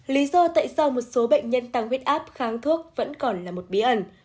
lý do tại sao một số bệnh nhân tăng huyết áp kháng thuốc vẫn còn là một bí ẩn